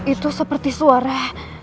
itu seperti suara